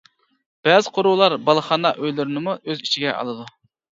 بەزى قورۇلار بالىخانا ئۆيلىرىنىمۇ ئۆز ئىچىگە ئالىدۇ.